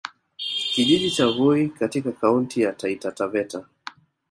Kijiji cha Voi katika Kaunti ya Taifa Taveta